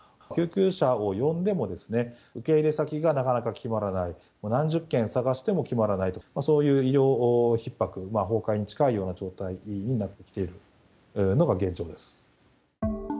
救急車を呼んでも、受け入れ先がなかなか決まらない、何十件探しても決まらないと、そういう医療ひっ迫、崩壊に近いような状況になってきているのが現状です。